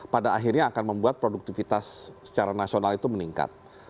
pada akhirnya akan membuat produktivitas secara nasional itu meningkat